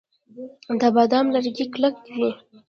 د بادام لرګي کلک وي.